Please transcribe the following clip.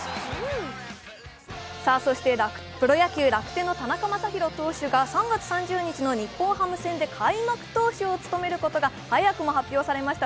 そしてプロ野球楽天の田中将大投手が日本ハム戦で開幕投手を務めることが早くも発表されました。